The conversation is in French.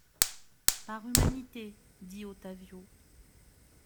Par humanité, dit Ottavio.